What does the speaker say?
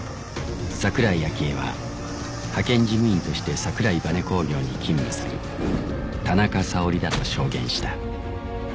桜井秋絵は派遣事務員として桜井バネ工業に勤務する田中沙織だと証言した